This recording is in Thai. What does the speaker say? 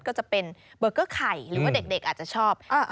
ก็จะเป็นเบอร์เกอร์ไข่หรือว่าเด็กอาจจะชอบ